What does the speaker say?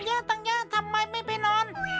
พี่นี้ตั้งเยอะทำไมไม่ไปนอน